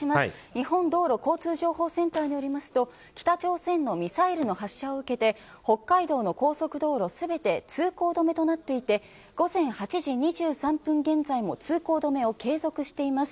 日本道路交通情報センターによりますと、北朝鮮のミサイルの発射を受けて北海道の高速道路全て通行止めとなっていて午前８時２３分現在も通行止めを継続しています。